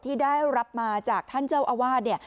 ที่ได้รับมาจากท่านเจ้าอาวาสเนี่ย